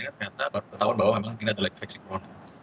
ternyata baru ketahuan bahwa memang ini adalah fleksi corona